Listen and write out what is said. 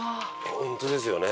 ホントですよね。